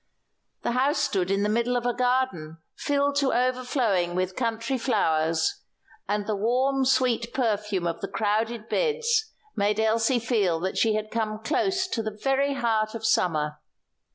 The house stood in the middle of a garden filled to overflowing with country flowers, and the warm, sweet perfume of the crowded beds made Elsie feel that she had come close to the very heart of summer.